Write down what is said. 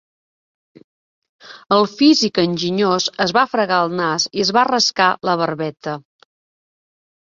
El físic enginyós es va fregar el nas i es va rascar la barbeta.